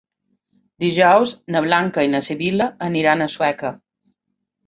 Dijous na Blanca i na Sibil·la aniran a Sueca.